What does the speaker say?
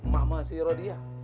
mama si rodia sama emaknya